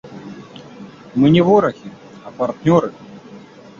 Мы не ворагі, а партнёры.